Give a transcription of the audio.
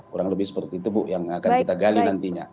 kurang lebih seperti itu bu yang akan kita gali nantinya